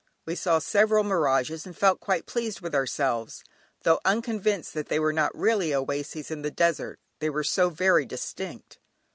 We saw several mirages and felt quite pleased with ourselves, though unconvinced that they were not really oases in the desert; they were so very distinct.